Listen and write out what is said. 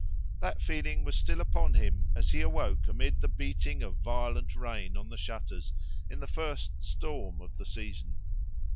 That feeling was still upon him as he awoke amid the beating of violent rain on the shutters, in the first storm of the season.